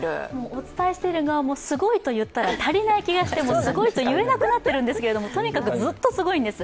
お伝えしている側も「すごい」では足りない気がして、すごいと言えなくなってるんですけどとにかくずっとすごいんです。